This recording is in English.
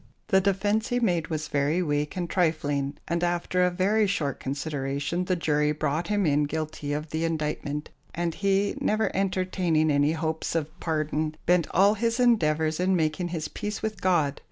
The defence he made was very weak and trifling, and after a very short consideration the jury brought him in guilty of the indictment, and he, never entertaining any hopes of pardon, bent all his endeavours in making his peace with God.